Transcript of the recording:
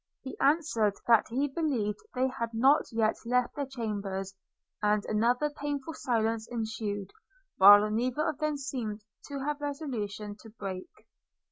He answered, that he believed they had not yet left their chambers; and another painful silence ensued, which neither of them seemed to have resolution to break.